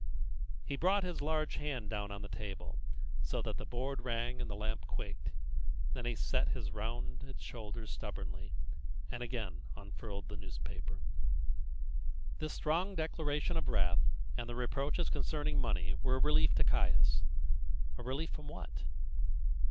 He brought his large hard hand down on the table, so that the board rang and the lamp quaked; then he settled his rounded shoulders stubbornly, and again unfurled the newspaper. This strong declaration of wrath, and the reproaches concerning the money, were a relief to Caius. A relief from what?